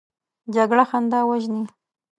جګړه خندا وژني